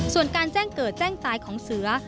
ส่วนการแจ้งเกิดแจ้งตายของเสือ